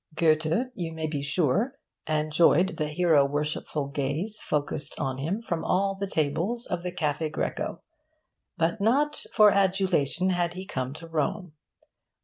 Goethe, you may be sure, enjoyed the hero worshipful gaze focussed on him from all the tables of the Caffe' Greco. But not for adulation had he come to Rome.